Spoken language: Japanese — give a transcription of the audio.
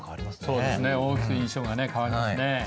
そうですね大きく印象がね変わりますね。